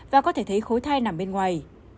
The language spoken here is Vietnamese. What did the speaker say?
và có thể thấy khối thai nằm bên ngoài